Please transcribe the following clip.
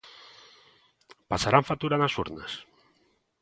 Pasarán factura nas urnas?